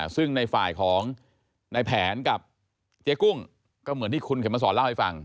ซึ่งในฝ่ายของในแผนกับเจ๊กุ้งก็เหมือนที่คุณเข็มมาสอนเล่าให้ฟัง